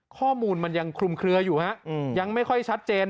ข้อมูลมันยังคลุมเคลืออยู่ฮะยังไม่ค่อยชัดเจน